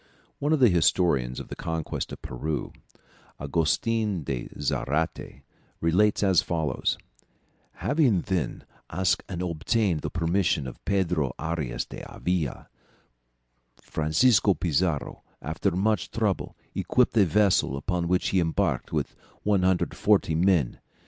One of the historians of the conquest of Peru, Augustin de Zarate, relates as follows: "Having then asked and obtained the permission of Pedro Arias d'Avila, Francisco Pizarro after much trouble equipped a vessel upon which he embarked with 140 men.